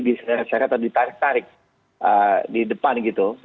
diseret atau ditarik tarik di depan gitu